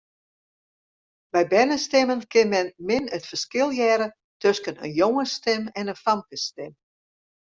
By bernestimmen kin men min it ferskil hearre tusken in jongesstim en in famkesstim.